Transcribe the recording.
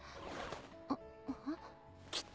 あっ。